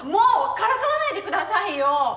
からかわないでくださいよ！